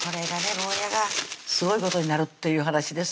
ゴーヤがすごいことになるっていう話です